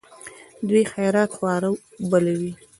دوی خیرات خواره بلوي.